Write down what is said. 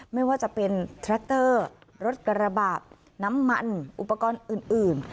ไม่ว่าจะเป็นแทรคเตอร์รถกระบะน้ำมันอุปกรณ์อื่น